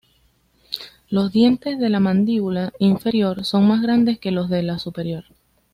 Los dientes de la mandíbula inferior son más grandes que los de la superior.